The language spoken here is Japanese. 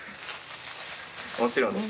もちろんです。